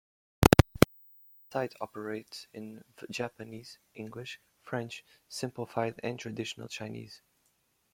The site operates in Japanese, English, French, Simplified and Traditional Chinese.